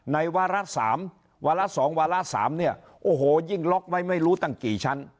วาระ๓วาระ๒วาระ๓เนี่ยโอ้โหยิ่งล็อกไว้ไม่รู้ตั้งกี่ชั้น